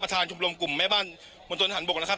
ประธานชุมปรมกลุ่มแม่บ้านบนสนทันบกนะครับ